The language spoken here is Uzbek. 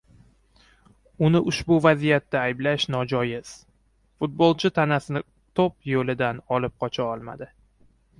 Uni ushbu vaziyatda ayblash nojoiz, futbolchi tanasini to‘p yo‘lidan olib qocha olmadi.